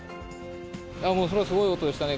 もうそれはすごい音でしたね。